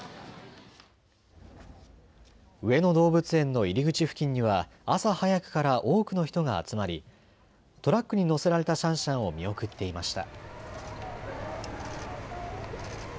上野動物園の入り口付近には朝早くから多くの人が集まりトラックに乗せられたシャンシャンを見送っていました。